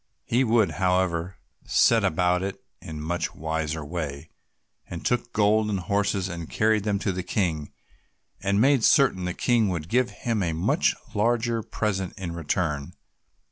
He would, however, set about it in a much wiser way, and took gold and horses and carried them to the King, and made certain the King would give him a much larger present in return.